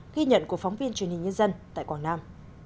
ghi nhận của phóng viên truyền hình nhân dân tại quảng nam